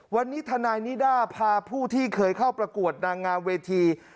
วันนี้ทนายนิด้าพาผู้ที่เคยเข้าประกวดนางงามเวที